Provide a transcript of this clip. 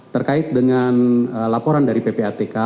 terkait dengan laporan dari ppatk